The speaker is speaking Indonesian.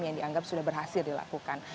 yang dianggap sudah berhasil dilakukan